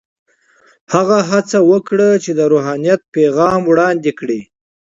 هغه هڅه وکړه چې د روحانیت پیغام وړاندې کړي.